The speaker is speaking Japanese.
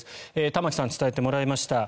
玉置さん、伝えてもらいました。